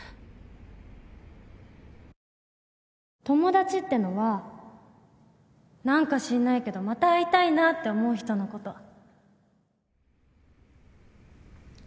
友達ってのは何か知んないけどまた会いたいなって思う人のこと